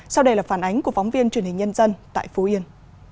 sau đây là phản ánh của phóng viên truyền hình nhân dân tại phú yên